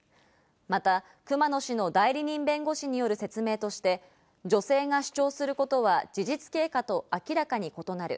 また熊野氏の代理人弁護士の説明として、女性が主張することは事実経過と明らかに異なる。